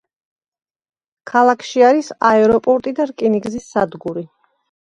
ქალაქში არის აეროპორტი და რკინიგზის სადგური.